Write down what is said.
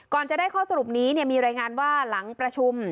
ก่อนจะได้ข้อสรุปนี้มีรายงานว่าหลังประชุม